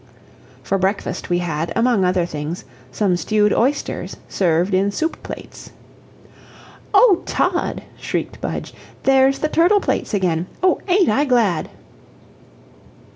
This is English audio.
For breakfast we had, among other things, some stewed oysters served in soup plates. "O Todd," shrieked Budge, "there's the turtle plates again oh, AIN'T I glad!"